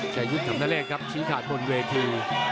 ใช้ยุทธรรมดาเลกครับชี้ถาดบนเวที